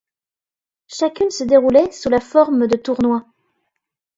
Chacune se déroulait sous la forme de tournois.